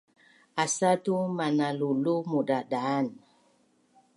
Asatu mananulu mudadaan